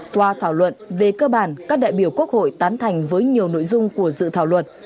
qua thảo luận về cơ bản các đại biểu quốc hội tán thành với nhiều nội dung của dự thảo luật